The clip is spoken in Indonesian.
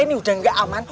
ini udah gak aman